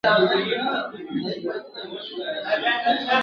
یو پاچا وي بل تر مرګه وړي بارونه ..